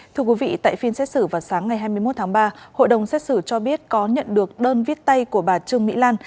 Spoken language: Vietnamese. thưa quý vị tại phiên xét xử vào sáng ngày hai mươi một tháng ba hội đồng xét xử cho biết có nhận được đơn viết tay của bà trương mỹ lan